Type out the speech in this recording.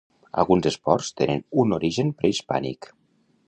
Alguns esports tenen un origen prehispànic.